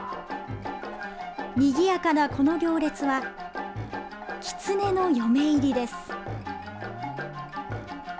にぎやかなこの行列はきつねの嫁入りです。